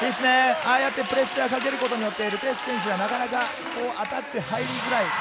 ああやってプレッシャーをかけることによって、ル・ペシュ選手がなかなかアタックに入りづらい。